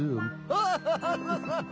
アッハハハハハ！